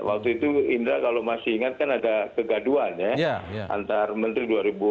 waktu itu indra kalau masih ingat kan ada kegaduan ya antar menteri dua ribu dua puluh